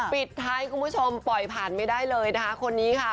ปิดท้ายคุณผู้ชมปล่อยผ่านไม่ได้เลยนะคะคนนี้ค่ะ